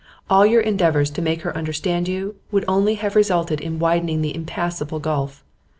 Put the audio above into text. All your endeavours to make her understand you would only have resulted in widening the impassable gulf.